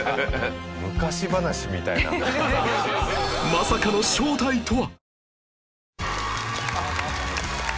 まさかの正体とは？